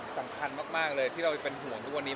สำคัญมากเลยที่เราเป็นห่วงทุกวันนี้